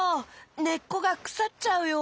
ねっこがくさっちゃうよ。